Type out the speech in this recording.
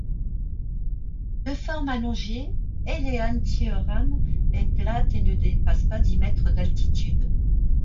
De forme allongée, Eilean Thioram est plate et ne dépasse pas dix mètres d'altitude.